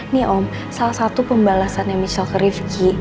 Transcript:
nih om salah satu pembalasan michelle ke rifki